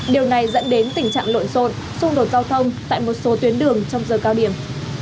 điều này dẫn đến tình trạng lộn xộn xung đột giao thông tại một số tuyến đường trong giờ cao điểm